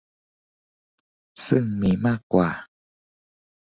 ซึ่งมีกว่า